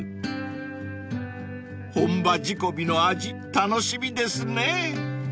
［本場仕込みの味楽しみですね］